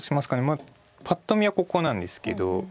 まあパッと見はここなんですけど。